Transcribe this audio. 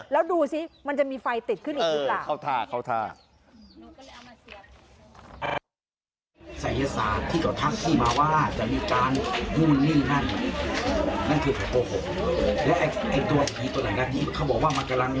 แล้วดูสิมันจะมีไฟติดขึ้นอีกหรือเปล่า